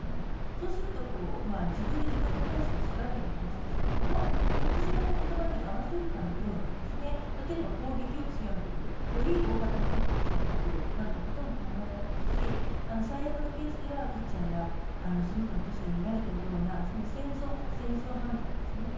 そうすると自分で自分の手足を縛るような話ですけども言ってしまった言葉に合わせるかのように例えば攻撃を強めてくるより大型の武器を使ってくるなどのことも考えられますし最悪のケースではブチャやその他の都市で見られたような戦争犯罪ですよね。